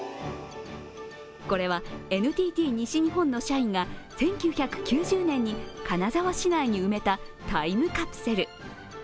これは、ＮＴＴ西日本の社員が１９９０年に金沢市内に埋めたタイムカプセル。